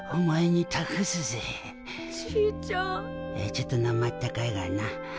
ちょっとなまあったかいがな。